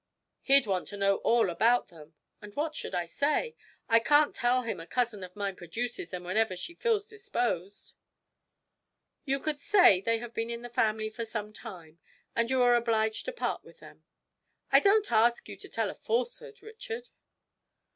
'He'd want to know all about them, and what should I say? I can't tell him a cousin of mine produces them whenever she feels disposed.' 'You could say they have been in the family for some time, and you are obliged to part with them; I don't ask you to tell a falsehood, Richard.'